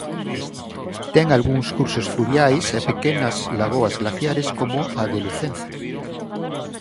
Ten algúns cursos fluviais e pequenas lagoas glaciares como a de Lucenza.